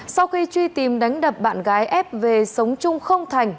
sau khi truy tìm đánh đập bạn gái f về sống chung không thành